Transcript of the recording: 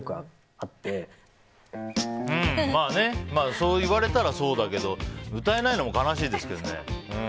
そう言われたらそうだけど歌えないのも悲しいですけどね。